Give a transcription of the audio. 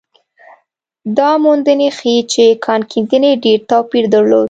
دا موندنې ښيي چې کان کیندنې ډېر توپیر درلود.